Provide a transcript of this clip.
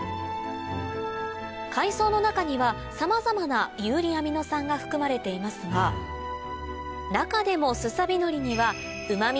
海藻の中にはさまざまな遊離アミノ酸が含まれていますが中でもスサビノリにはうま味